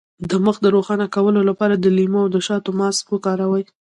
د مخ د روښانه کولو لپاره د لیمو او شاتو ماسک وکاروئ